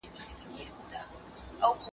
د ماشوم د خوراک پر مهال اوبه وړاندې کړئ.